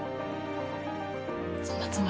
そんなつもりは。